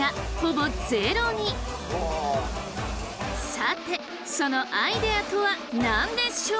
さてそのアイデアとは何でしょう？